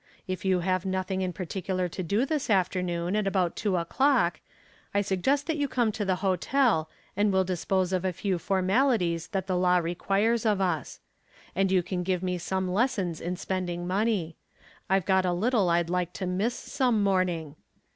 If you have nothing in particular to do this afternoon about two o'clock, I'd suggest that you come to the hotel and we'll dispose of a few formalities that the law requires of us. And you can give me some lessons in spending money. I've got a little I'd like to miss some morning.